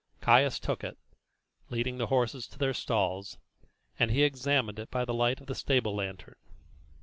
Caius took it, leading the horses to their stalls, and he examined it by the light of the stable lantern.